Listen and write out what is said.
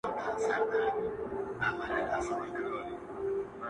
د خبرونو وياند يې”